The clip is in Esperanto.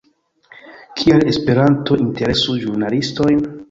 Kial Esperanto interesu ĵurnalistojn?